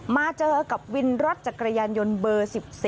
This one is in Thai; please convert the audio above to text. มาเจอกับวินรถจักรยานยนต์เบอร์๑๒